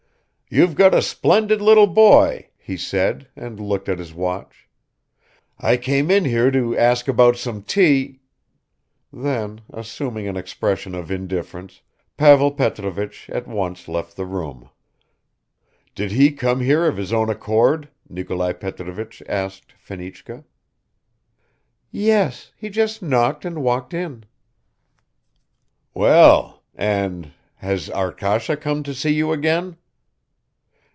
"You've got a splendid little boy," he said, and looked at his watch. "I came in here to ask about some tea ..." Then, assuming an expression of indifference, Pavel Petrovich at once left the room. "Did he come here of his own accord?" Nikolai Petrovich asked Fenichka. "Yes, he just knocked and walked in." "Well, and has Arkasha come to see you again?"